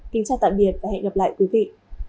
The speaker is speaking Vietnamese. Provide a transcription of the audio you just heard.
kính chào tạm biệt và hẹn gặp lại quý vị